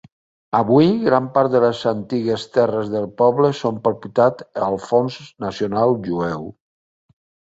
Avui, gran part de les antigues terres del poble són propietat el Fons Nacional Jueu.